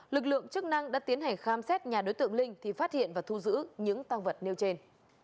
lực lượng chức năng đã tiến hành khám xét nhà đối tượng linh thì phát hiện và thu giữ những tăng vật nêu trên